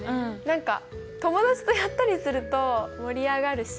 何か友達とやったりすると盛り上がるしよいかもね。